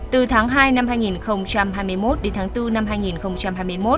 từ tháng hai năm hai nghìn hai mươi một đến tháng bốn năm hai nghìn hai mươi một